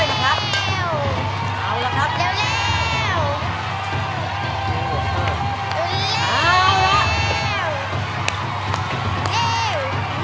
๖๘แล้วครับ